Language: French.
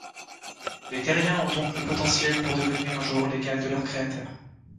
Les Terriens ont donc le potentiel pour devenir un jour l'égal de leur créateurs.